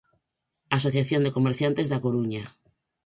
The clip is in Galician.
Asociación de comerciantes da Coruña.